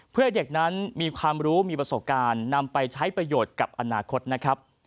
เพื่อให้เด็กนั้นมีความรู้มีประสบการณ์นำไปใช้ประโยชน์กับอนาคตนะครับ